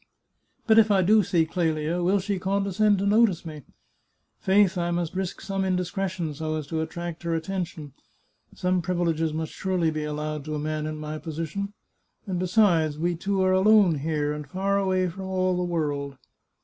But if I do see Clelia, will she condescend to notice me? Faith, I must risk some indiscretion, so as to attract her attention. Some privileges must surely be allowed to a man in my position. And besides, we two are alone here, and far away from all the world.